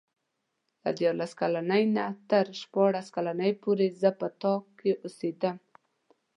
له دیارلس کلنۍ نه تر شپاړس کلنۍ پورې زه په تا کې اوسېدم.